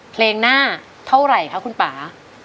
เพลงหน้าเท่าไหร่คะคุณป่า